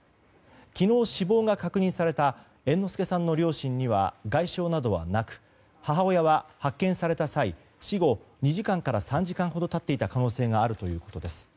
昨日死亡が確認された猿之助さんの両親には外傷などはなく母親は発見された際死後２時間から３時間ほど経っていた可能性があるということです。